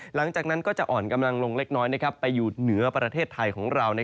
หลังจากนั้นก็จะอ่อนกำลังลงเล็กน้อยไปอยู่เหนือประเทศไทยของเรา